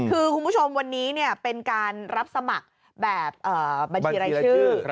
คือคุณผู้ชมวันนี้เป็นการรับสมัครแบบบัญชีรายชื่อ